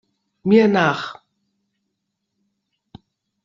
Mir nach!